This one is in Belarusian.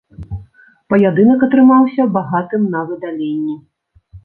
Паядынак атрымаўся багатым на выдаленні.